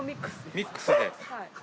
ミックスで。